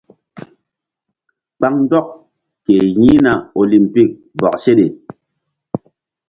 Kpaŋndɔk ke yi̧hna olimpik bɔk seɗe.